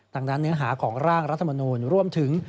ดังนั้นเนื้อหาของร่างรัฐมนูลรวมถึง